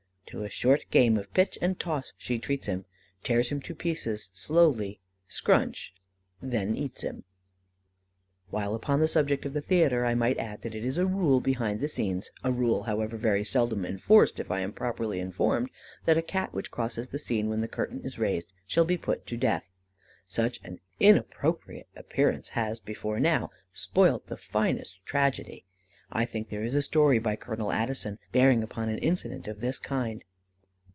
To a short game of pitch and toss she treats him Tears him to pieces slowly SCRUNCH then eats him." While upon the subject of the theatre, I might add that it is a rule behind the scenes a rule, however, very seldom enforced, if I am properly informed that a Cat which crosses the scene when the curtain is raised shall be put to death. Such an unappropriate appearance has, before now, spoilt the finest tragedy. I think there is a story by Colonel Addison bearing upon an incident of this kind.